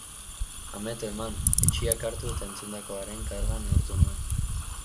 Ameto eman, etsiak hartu eta entzundakoaren karga neurtu nuen.